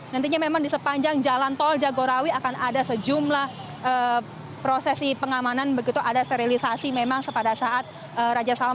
nantinya memang di sepanjang jalan tol jagorawi akan ada sejumlah prosesi pengamanan begitu ada sterilisasi memang pada saat raja salman